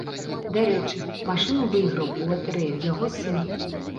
Дарэчы, машыну выйграў у латарэю яго сын.